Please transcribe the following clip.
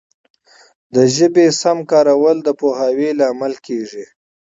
د ژبي سم کارول د پوهاوي لامل کیږي.